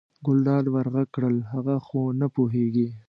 ګلداد ور غږ کړل هغه خو نه پوهېږي.